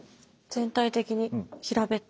全体的に平べったい。